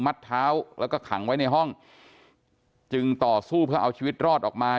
เท้าแล้วก็ขังไว้ในห้องจึงต่อสู้เพื่อเอาชีวิตรอดออกมา